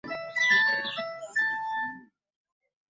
Bye tuyimba leero byonna tetubimanyi.